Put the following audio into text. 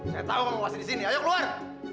saya tau kamu masih disini ayo keluar